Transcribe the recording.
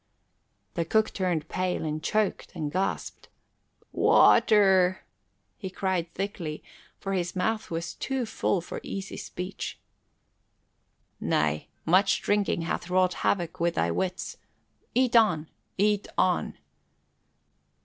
The cook turned pale and choked and gasped. "Water!" he cried thickly, for his mouth was too full for easy speech. "Nay, much drinking hath wrought havoc with thy wits. Eat on, eat on!"